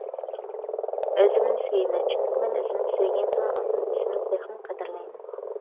ئۆزۈمنى سۆيىمەن، چۈنكى مەن ئۆزۈمنى سۆيگەندىلا ئاندىن ئۆزۈمنى تېخىمۇ قەدىرلەيمەن.